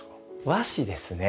和紙ですね。